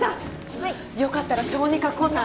はいよかったら小児科来ない？